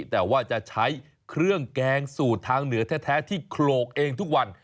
แต่ว่าจะใช้เครื่องแกงสูตรทางเหนือแท้ที่โขลกเองทุกวัน